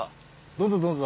どうぞどうぞ。